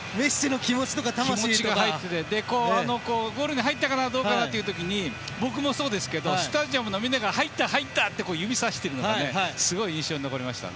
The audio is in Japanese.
気持ちが入っててゴールに入ったかなと思った時に僕もそうですけどスタジアムのみんなが入った、入った！と指さしていたのがすごい、印象的でした。